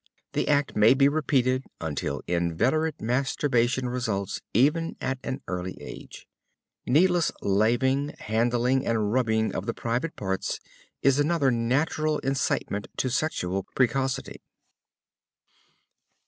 The act may be repeated until inveterate masturbation results, even at an early age. Needless laving, handling and rubbing of the private parts is another natural incitement to sexual precocity.